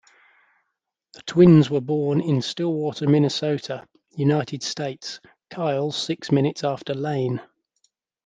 The twins were born in Stillwater, Minnesota, United States, Kyle six minutes after Lane.